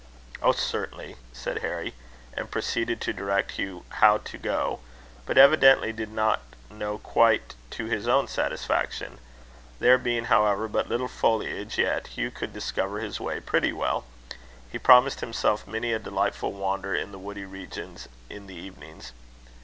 "Oh, certainly," said Harry, and proceeded to direct Hugh how to go; but evidently did not know quite to his own satisfaction. There being, however, but little foliage yet, Hugh could discover his way pretty well. He promised himself many a delightful wander in the woody regions in the evenings.